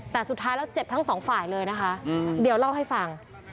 แต่สุดท้ายแล้วเจ็บทั้งสองฝ่ายเลยนะคะเดี๋ยวเล่าให้ฟัง